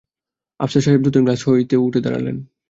আফসার সাহেব দুধের গ্লাস হাতে উঠে দাঁড়ালেন।